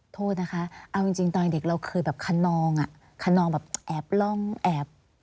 โทษนะคะเอาจริงตอนเด็กเราเคยคำนองแอบล่องแอบ